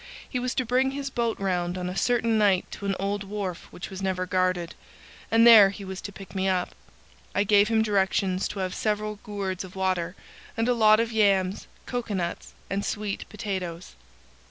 He was to bring his boat round on a certain night to an old wharf which was never guarded, and there he was to pick me up. I gave him directions to have several gourds of water and a lot of yams, cocoa nuts, and sweet potatoes.